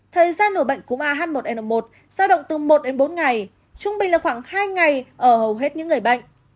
thời gian nổi bệnh cúm ah một n một giao động từ một đến bốn ngày trung bình là khoảng hai ngày ở hầu hết những người bệnh